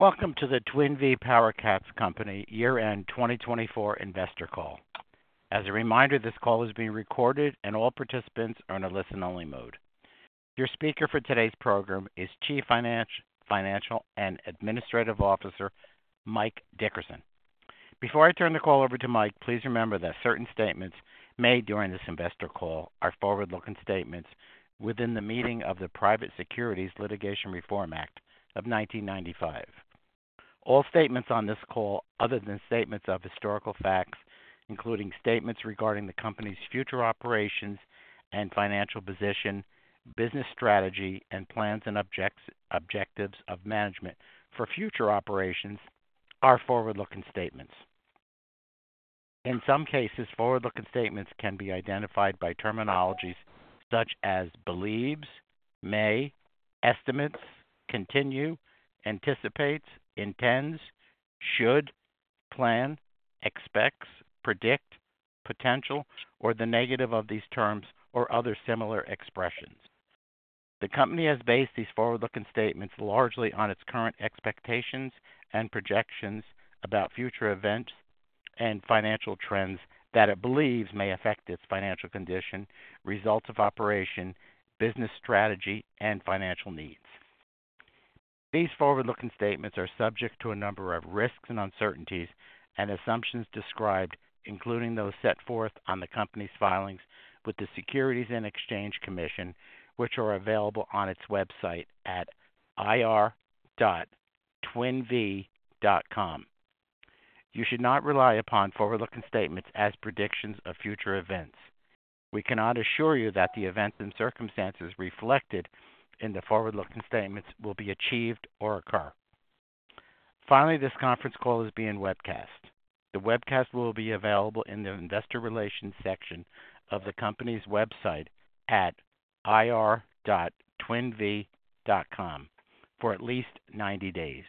Welcome to the Twin Vee PowerCats Company year-end 2024 investor call. As a reminder, this call is being recorded, and all participants are in a listen-only mode. Your speaker for today's program is Chief Financial and Administrative Officer Mike Dickerson. Before I turn the call over to Mike, please remember that certain statements made during this investor call are forward-looking statements within the meaning of the Private Securities Litigation Reform Act of 1995. All statements on this call, other than statements of historical facts, including statements regarding the company's future operations and financial position, business strategy, and plans and objectives of management for future operations, are forward-looking statements. In some cases, forward-looking statements can be identified by terminologies such as believes, may, estimates, continue, anticipates, intends, should, plan, expects, predict, potential, or the negative of these terms or other similar expressions. The company has based these forward-looking statements largely on its current expectations and projections about future events and financial trends that it believes may affect its financial condition, results of operation, business strategy, and financial needs. These forward-looking statements are subject to a number of risks and uncertainties and assumptions described, including those set forth on the company's filings with the Securities and Exchange Commission, which are available on its website at ir.twinvee.com. You should not rely upon forward-looking statements as predictions of future events. We cannot assure you that the events and circumstances reflected in the forward-looking statements will be achieved or occur. Finally, this conference call is being webcast. The webcast will be available in the investor relations section of the company's website at ir.twinvee.com for at least 90 days.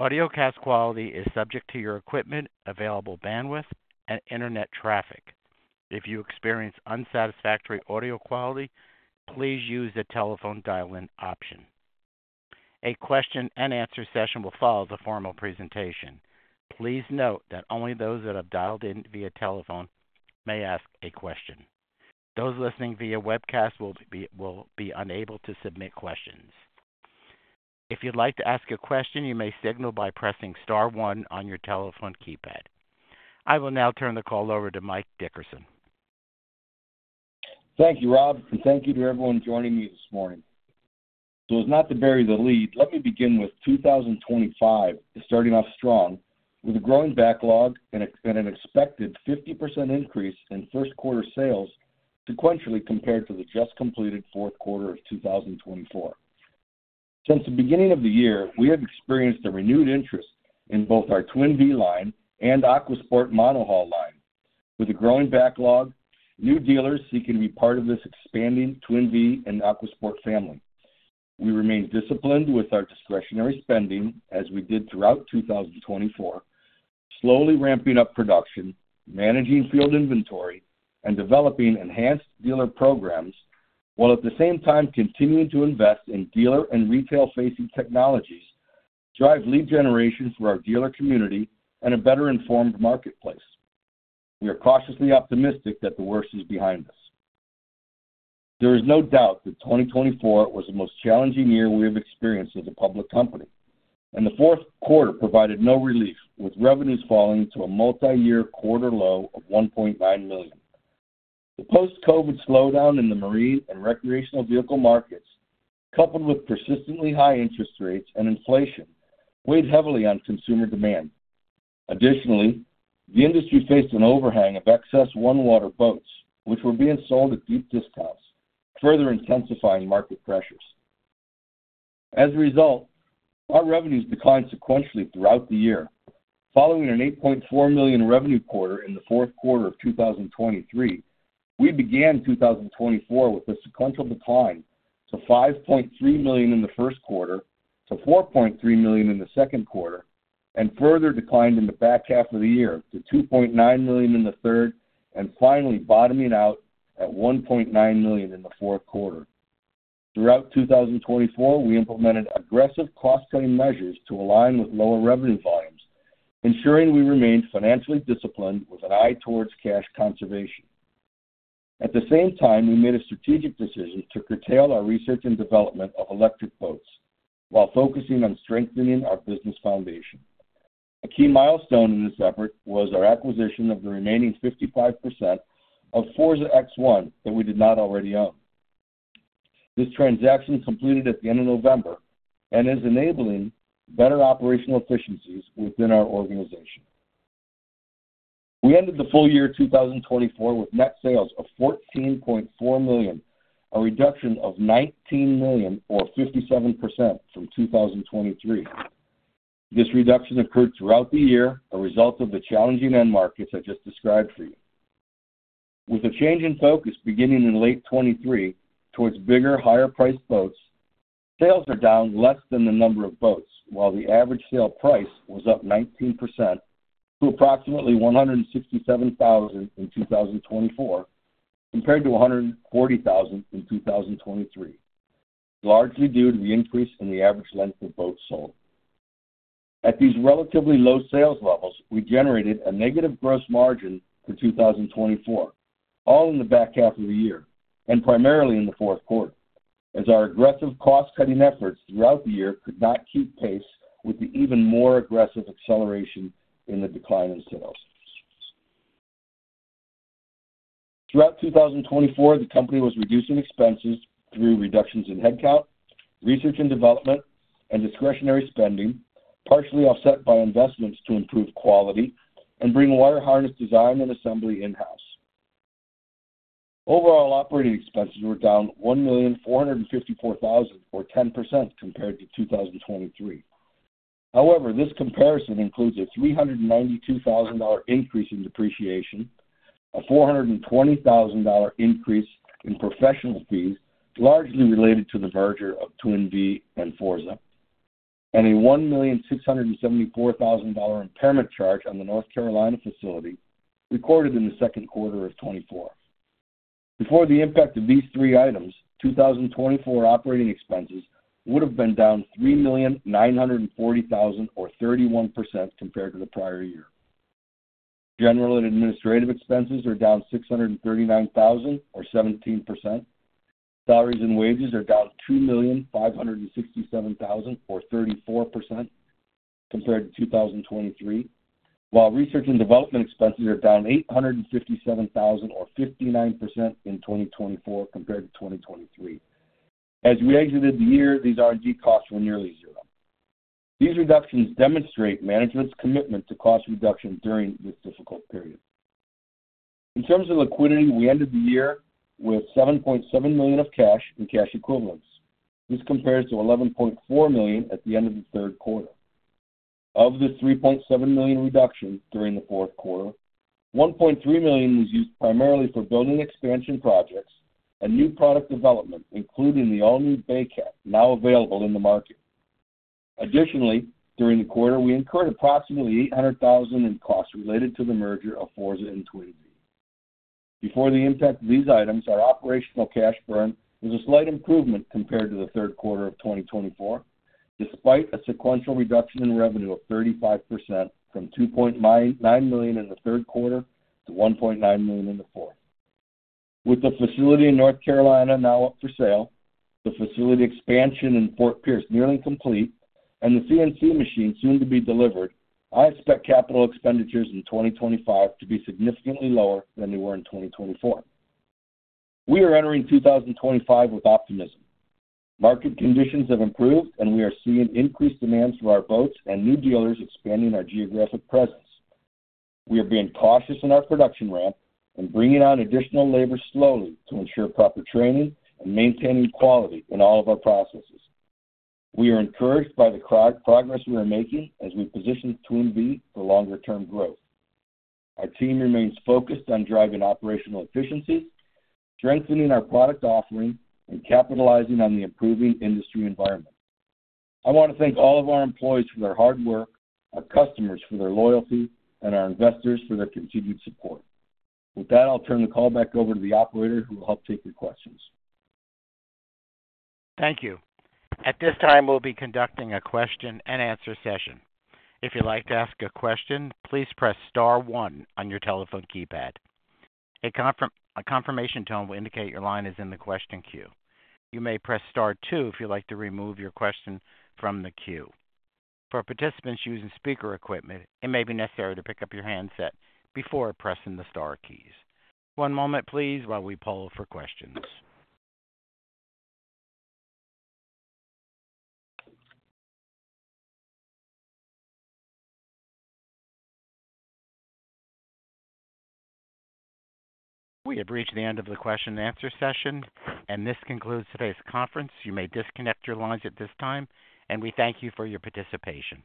Audiocast quality is subject to your equipment, available bandwidth, and internet traffic. If you experience unsatisfactory audio quality, please use the telephone dial-in option. A question-and-answer session will follow the formal presentation. Please note that only those that have dialed in via telephone may ask a question. Those listening via webcast will be unable to submit questions. If you'd like to ask a question, you may signal by pressing star one on your telephone keypad. I will now turn the call over to Mike Dickerson. Thank you, Rob, and thank you to everyone joining me this morning. As not to bury the lead, let me begin with 2025 starting off strong with a growing backlog and an expected 50% increase in first-quarter sales sequentially compared to the just-completed fourth quarter of 2024. Since the beginning of the year, we have experienced a renewed interest in both our Twin Vee line and Aquasport monohull line. With a growing backlog, new dealers seeking to be part of this expanding Twin Vee and Aquasport family, we remain disciplined with our discretionary spending as we did throughout 2024, slowly ramping up production, managing field inventory, and developing enhanced dealer programs, while at the same time continuing to invest in dealer and retail-facing technologies to drive lead generation for our dealer community and a better-informed marketplace. We are cautiously optimistic that the worst is behind us. There is no doubt that 2024 was the most challenging year we have experienced as a public company, and the fourth quarter provided no relief, with revenues falling to a multi-year quarter low of $1.9 million. The post-COVID slowdown in the marine and recreational vehicle markets, coupled with persistently high interest rates and inflation, weighed heavily on consumer demand. Additionally, the industry faced an overhang of excess OneWater boats, which were being sold at deep discounts, further intensifying market pressures. As a result, our revenues declined sequentially throughout the year. Following an $8.4 million revenue quarter in the fourth quarter of 2023, we began 2024 with a sequential decline to $5.3 million in the first quarter, to $4.3 million in the second quarter, and further declined in the back half of the year to $2.9 million in the third, and finally bottoming out at $1.9 million in the fourth quarter. Throughout 2024, we implemented aggressive cost-cutting measures to align with lower revenue volumes, ensuring we remained financially disciplined with an eye towards cash conservation. At the same time, we made a strategic decision to curtail our research and development of electric boats while focusing on strengthening our business foundation. A key milestone in this effort was our acquisition of the remaining 55% of Forza X1 that we did not already own. This transaction completed at the end of November and is enabling better operational efficiencies within our organization. We ended the full year 2024 with net sales of $14.4 million, a reduction of $19 million, or 57%, from 2023. This reduction occurred throughout the year as a result of the challenging end markets I just described for you. With a change in focus beginning in late 2023 towards bigger, higher-priced boats, sales are down less than the number of boats, while the average sale price was up 19% to approximately $167,000 in 2024 compared to $140,000 in 2023, largely due to the increase in the average length of boat sold. At these relatively low sales levels, we generated a negative gross margin for 2024, all in the back half of the year and primarily in the fourth quarter, as our aggressive cost-cutting efforts throughout the year could not keep pace with the even more aggressive acceleration in the decline in sales. Throughout 2024, the company was reducing expenses through reductions in headcount, research and development, and discretionary spending, partially offset by investments to improve quality and bring wire harness design and assembly in-house. Overall operating expenses were down $1,454,000, or 10%, compared to 2023. However, this comparison includes a $392,000 increase in depreciation, a $420,000 increase in professional fees, largely related to the merger of Twin Vee and Forza, and a $1,674,000 impairment charge on the North Carolina facility recorded in the second quarter of 2024. Before the impact of these three items, 2024 operating expenses would have been down $3,940,000, or 31%, compared to the prior year. General and administrative expenses are down $639,000, or 17%. Salaries and wages are down $2,567,000, or 34%, compared to 2023, while research and development expenses are down $857,000, or 59%, in 2024 compared to 2023. As we exited the year, these R&D costs were nearly zero. These reductions demonstrate management's commitment to cost reduction during this difficult period. In terms of liquidity, we ended the year with $7.7 million of cash and cash equivalents. This compares to $11.4 million at the end of the third quarter. Of the $3.7 million reduction during the fourth quarter, $1.3 million was used primarily for building expansion projects and new product development, including the all-new BayCat now available in the market. Additionally, during the quarter, we incurred approximately $800,000 in costs related to the merger of Forza and Twin Vee. Before the impact of these items, our operational cash burn was a slight improvement compared to the third quarter of 2024, despite a sequential reduction in revenue of 35% from $2.9 million in the third quarter to $1.9 million in the fourth. With the facility in North Carolina now up for sale, the facility expansion in Fort Pierce nearly complete, and the CNC machine soon to be delivered, I expect capital expenditures in 2025 to be significantly lower than they were in 2024. We are entering 2025 with optimism. Market conditions have improved, and we are seeing increased demands for our boats and new dealers expanding our geographic presence. We are being cautious in our production ramp and bringing on additional labor slowly to ensure proper training and maintaining quality in all of our processes. We are encouraged by the progress we are making as we position Twin Vee for longer-term growth. Our team remains focused on driving operational efficiencies, strengthening our product offering, and capitalizing on the improving industry environment. I want to thank all of our employees for their hard work, our customers for their loyalty, and our investors for their continued support. With that, I'll turn the call back over to the operator, who will help take your questions. Thank you. At this time, we'll be conducting a question-and-answer session. If you'd like to ask a question, please press star one on your telephone keypad. A confirmation tone will indicate your line is in the question queue. You may press star two if you'd like to remove your question from the queue. For participants using speaker equipment, it may be necessary to pick up your handset before pressing the star keys. One moment, please, while we poll for questions. We have reached the end of the question-and-answer session, and this concludes today's conference. You may disconnect your lines at this time, and we thank you for your participation.